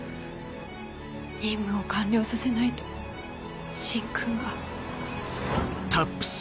任務を完了させないと芯君が。